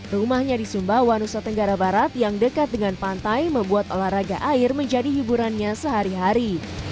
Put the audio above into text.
rumahnya di sumba wanusa tenggara barat yang dekat dengan pantai membuat olahraga air menjadi hiburannya sehari hari